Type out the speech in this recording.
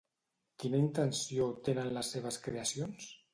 Quina intenció tenen les seves creacions?